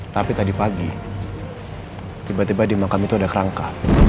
tapi tadi pagi tiba tiba di makam itu ada kerangka